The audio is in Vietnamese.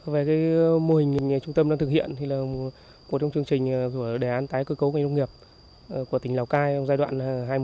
về mô hình trung tâm đang thực hiện thì là một trong chương trình của đề án tái cơ cấu nông nghiệp của tỉnh lào cai giai đoạn hai nghìn một mươi sáu hai nghìn hai mươi